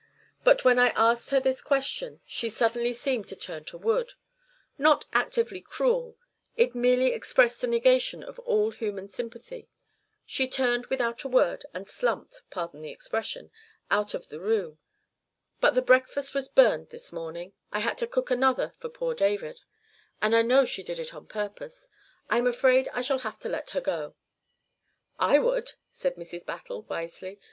But when I asked her this question it suddenly seemed to turn to wood not actively cruel; it merely expressed the negation of all human sympathy. She turned without a word and slumped pardon the expression out of the room. But the breakfast was burned this morning I had to cook another for poor David and I know she did it on purpose. I am afraid I shall have to let her go." "I would," said Mrs. Battle, wisely.